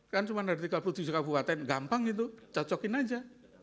kan cuma ada tiga puluh tujuh kabupaten gampang itu cocokin aja